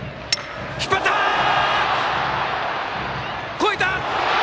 越えた！